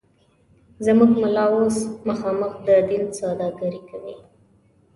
زموږ ملا اوس مخامخ د دین سوداگري کوي